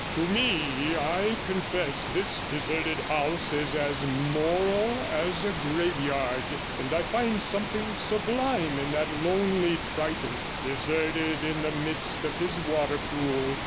To me, I confess, this deserted house is as moral as a graveyard, and I find something sublime in that lonely Triton, deserted in the midst of his water pool.